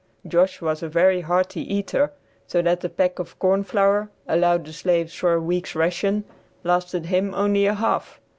Josh was a very hearty eater, so that the peck of corn flour allowed the slaves for a week's ration lasted him only a half.